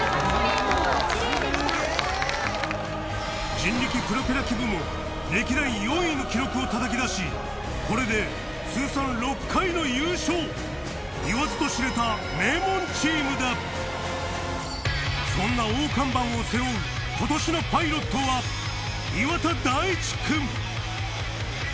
人力プロペラ機部門歴代４位の記録をたたき出しこれで通算６回の優勝言わずと知れた名門チームだそんな大看板を背負う今年のパイロットは岩田大地くん入部のきっかけが